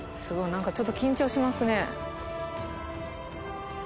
なんかちょっと緊張しますね。